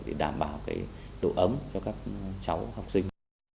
để đảm bảo đủ ấm cho các cháu học sinh